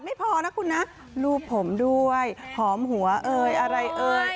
ไม่พอนะคุณนะรูปผมด้วยหอมหัวเอ่ยอะไรเอ่ย